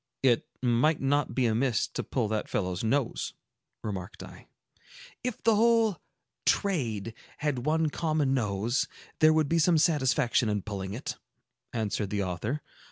"It might not be amiss to pull that fellow's nose," remarked I. "If the whole 'trade' had one common nose, there would be some satisfaction in pulling it," answered the author.